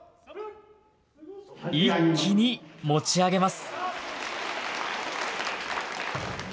一気に持ち上げます。